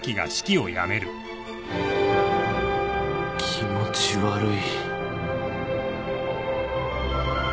気持ち悪い